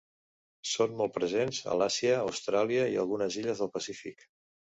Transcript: Són molt presents a l'Àsia, Austràlia i algunes illes del Pacífic.